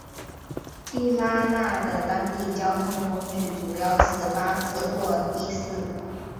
地拉那的当地交通工具主要是巴士或的士。